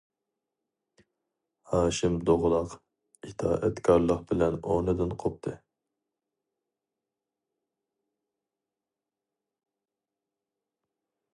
ھاشىم دوغىلاق ئىتائەتكارلىق بىلەن ئورنىدىن قوپتى.